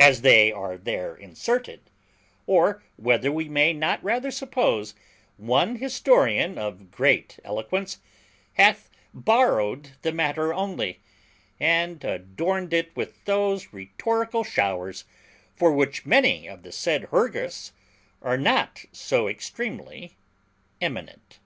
as they are there inserted, or whether we may not rather suppose one historian of great eloquence hath borrowed the matter only, and adorned it with those rhetorical showers for which many of the said HURGOS are not so extremely eminent.